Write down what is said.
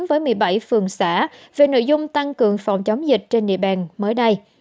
với một mươi bảy phường xã về nội dung tăng cường phòng chống dịch trên địa bàn mới đây